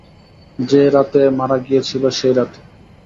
যে রাতে মারা গিয়েছিল, সেই রাতে।